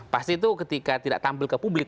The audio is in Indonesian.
pasti itu ketika tidak tampil ke publik